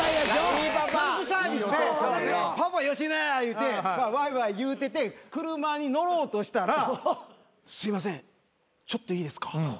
家族サービスでパパ野家や言うてワイワイ言うてて車に乗ろうとしたら「すいませんちょっといいですか」